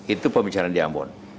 itu pembicaraan di ambon